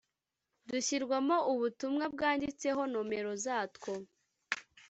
dushyirwamo ubutumwa bwanditseho nomero zatwo.